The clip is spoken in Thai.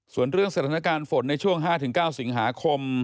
ส่วนเรื่องสถานการณ์ฝนในช่วง๕๙สิงหาคม